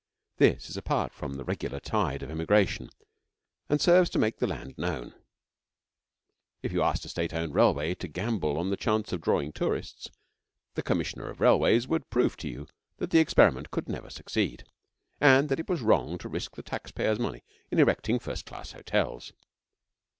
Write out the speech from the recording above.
This is apart from the regular tide of emigration, and serves to make the land known. If you asked a State owned railway to gamble on the chance of drawing tourists, the Commissioner of Railways would prove to you that the experiment could never succeed, and that it was wrong to risk the taxpayers' money in erecting first class hotels.